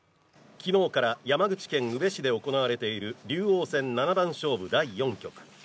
昨日から山口県宇部市で行われている竜王戦第四局。